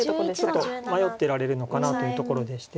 ちょっと迷ってられるのかなというところでして。